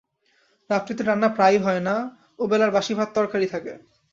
রাত্রিতে রান্না প্রায়ই হয় না, ওবেলার বাসি ভাত তবকারি থাকে।